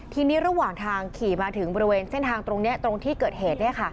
ทีนี้ระหว่างทางขี่มาถึงบริเวณเส้นทางตรงนี้ตรงที่เกิดเหตุ